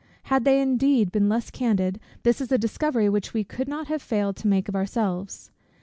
Had they indeed been less candid, this is a discovery which we could not have failed to make of ourselves.